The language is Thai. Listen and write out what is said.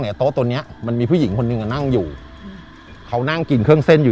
โต๊ะตัวเนี้ยมันมีผู้หญิงคนหนึ่งอ่ะนั่งอยู่เขานั่งกินเครื่องเส้นอยู่